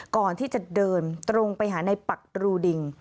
ก่อนที่จะเดินตรงไปหาในปักรูดิง